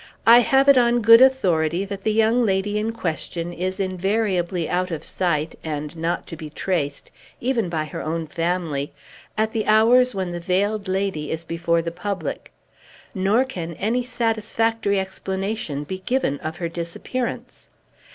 "I have it on good authority, that the young lady in question is invariably out of sight, and not to be traced, even by her own family, at the hours when the Veiled Lady is before the public; nor can any satisfactory explanation be given of her disappearance.